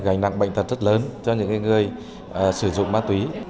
gánh nặng bệnh tật rất lớn cho những người sử dụng ma túy